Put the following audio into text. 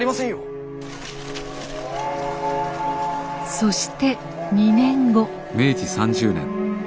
そして２年後。